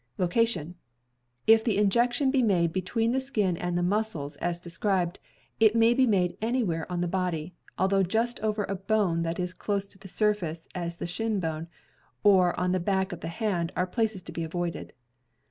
LOCATION — K the injection be made between the skin and the muscles, as described, it may be made anywhere on the body, although just over a bone that is close to the surface, as the shin bone, or on the back of the hand, are places to be avoided.